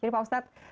jadi pak ustadz